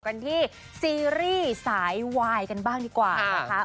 กันที่ซีรีส์สายวายกันบ้างดีกว่านะคะ